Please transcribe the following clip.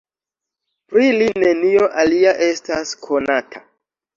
Pri li nenio alia estas konata.